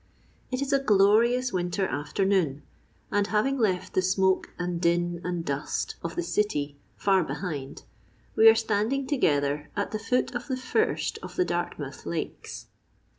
* It is a glorious winter afternoon, and having left the smoke and din and dust of the city far behind, we are standing together at the foot of the first of the Dartmouth lakes.